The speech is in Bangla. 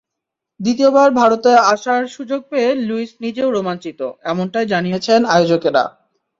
দ্বিতীয়বার ভারতে আসার সুযোগ পেয়ে লুইস নিজেও রোমাঞ্চিত, এমনটাই জানিয়েছেন আয়োজকেরা।